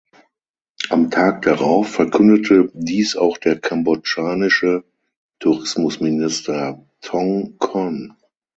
Am Tag darauf verkündete dies auch der kambodschanische Tourismusminister Thong Khon.